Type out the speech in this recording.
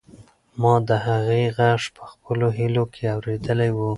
ما د هغې غږ په خپلو هیلو کې اورېدلی و.